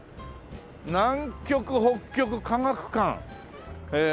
「南極・北極科学館」へえ